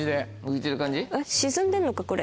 沈んでんのかこれ。